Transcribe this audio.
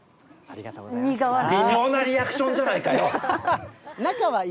微妙なリアクションじゃない仲はいい。